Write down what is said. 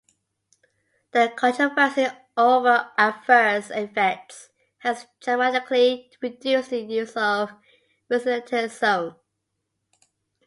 The controversy over adverse effects has dramatically reduced the use of rosiglitazone.